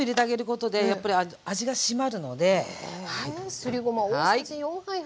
すりごま大さじ４杯入ります。